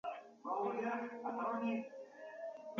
მნიშვნელოვანი სამრეწველო ჯიშია.